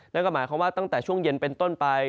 นั่นก็หมายความว่าตั้งแต่ช่วงเย็นเป็นต้นไป